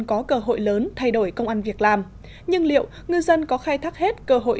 có cơ hội lớn thay đổi công an việc làm nhưng liệu ngư dân có khai thác hết cơ hội